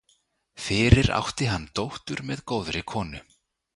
Fyrir átti hann dóttur með góðri konu.